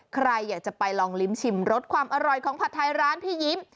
ใครอยากจะไปลองลิ้มชิมรสความอร่อยของผัดไทยร้านพี่ยิ้ม